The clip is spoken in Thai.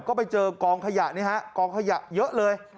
ก็ไปเจอกลองขยะเยอะเลย